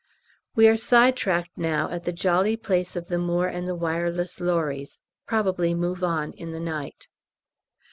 We are side tracked now at the jolly place of the Moor and the Wireless Lorries; probably move on in the night.